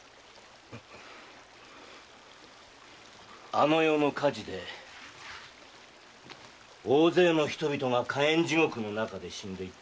あの夜の火事で大勢の人々が火炎地獄の中で死んでいった。